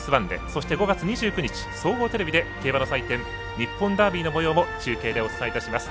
そして５月２９日総合テレビで競馬の祭典、日本ダービーのもようも中継お伝えします。